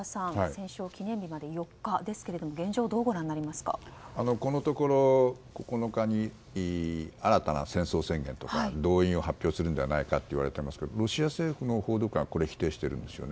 戦勝記念日まで４日ですがこのところ９日に新たな戦争宣言とか動員を発表するのではないかといわれていますけどロシア政府の報道官は否定している。